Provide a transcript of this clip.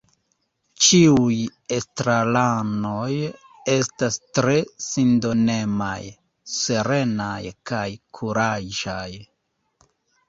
Ĉiuj estraranoj estas tre sindonemaj, serenaj kaj kuraĝaj.